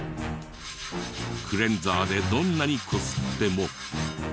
クレンザーでどんなにこすっても。